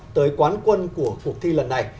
tới quán quân của cuộc thi lần này